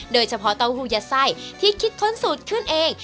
เต้าหู้ยัดไส้ที่คิดค้นสูตรขึ้นเอง